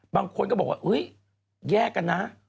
บางคนก็บอกว่าแยกกันนะ